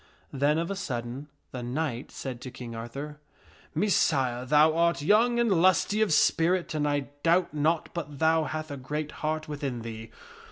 Then, of a sudden, the knight said to King Arthur, " Messire, thou art young and lusty of spirit and I doubt not but thou hath a great heart within thee.